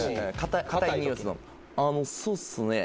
あのそうっすね。